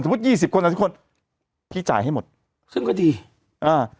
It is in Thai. สมมุติยี่สิบคนสามสิบคนพี่จ่ายให้หมดซึ่งก็ดีอ่า